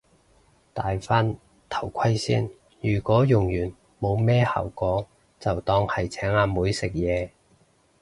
戴返頭盔先，如果用完冇咩效果就當係請阿妹食嘢